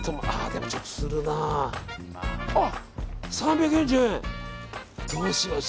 でも、ちょっとするな。あ！